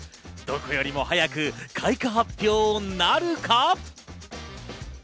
どこよりも早く開花発表なるか？